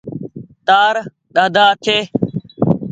تآر ۮاۮا ڇي۔